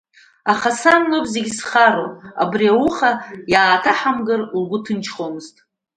Аха сан лоуп зегьы зхароу, абри уаха иааҭаҳамгар, лгәы ҭынчхомызт.